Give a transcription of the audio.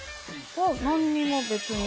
何にも別に。